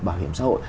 bảo hiểm xã hội